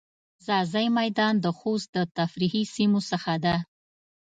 ځاځی میدان د خوست د تفریحی سیمو څخه ده.